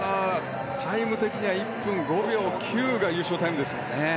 タイム的には１分５秒９が優勝タイムですからね。